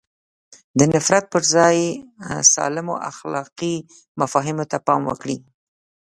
د نفرت پر ځای سالمو اخلاقي مفاهیمو ته پام وکړي.